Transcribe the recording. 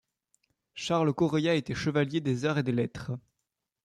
Charles Correia était chevalier des Arts et des Lettres.